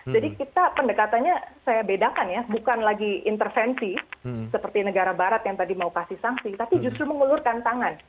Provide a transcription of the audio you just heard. jadi kita pendekatannya saya bedakan ya bukan lagi intervensi seperti negara barat yang tadi mau kasih sanksi tapi justru mengelurkan tangan